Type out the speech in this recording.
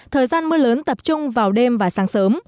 thời gian mưa lớn tập trung vào đêm và sáng sớm